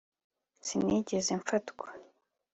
Sinigeze mfatwa